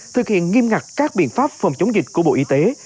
thực hiện nghiêm ngặt các biện pháp phòng chống dịch của bộ y tế